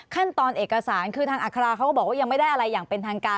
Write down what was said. ขั้นตอนเอกสารคือทางอัคราเขาก็บอกว่ายังไม่ได้อะไรอย่างเป็นทางการ